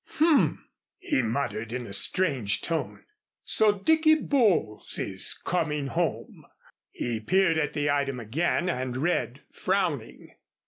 "H m!" he muttered in a strange tone. "So Dicky Bowles is coming home!" He peered at the item again and read, frowning.